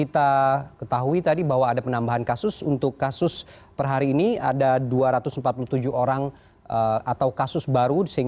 terima kasih selamat sore